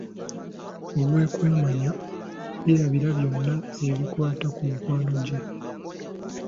Olw'okwemanya, yeerabira byonna ebikwata ku mikwano gye.